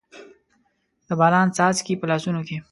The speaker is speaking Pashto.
د باران څاڅکي، په لاسونو کې